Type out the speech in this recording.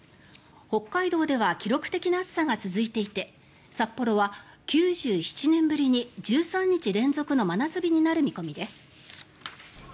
北海道では記録的な暑さが続いていて札幌は９７年ぶりに１３日連続の真夏日になる見込みです。